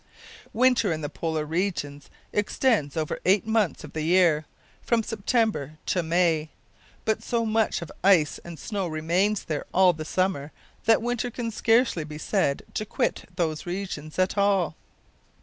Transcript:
Winter in the Polar regions extends over eight months of the year from September to May. But so much of ice and snow remains there all the summer that winter can scarcely be said to quit those regions at all.